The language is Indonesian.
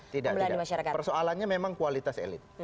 tidak persoalannya memang kualitas elit